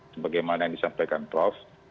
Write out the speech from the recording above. sebagaimana yang disampaikan prof